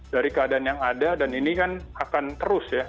dari keadaan yang ada dan ini kan akan terus ya